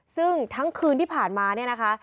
ซึ่งทั้งคืนที่ผ่านมาเนี่ยนะคะ